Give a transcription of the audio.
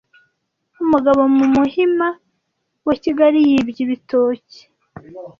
Umugabo mu Muhima wa Kigali yibye ibitoki